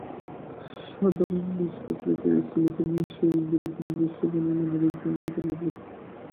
সাধারণ নীচ প্রকৃতির স্ত্রীলোকের ন্যায় সে ইন্দ্রিয়পরায়ণ, ঈর্ষাপরায়ণ, মনোরাজ্য-অধিকারলোলুপ।